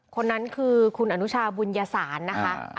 คนนั้นคือคุณอนุชาบุญยสารนะคะ